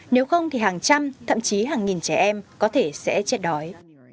nếu không thì hàng trăm thậm chí hàng nghìn trẻ em có thể sẽ chết đói